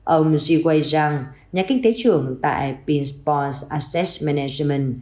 ông jiwei zhang nhà kinh tế trưởng tại pinspons assets management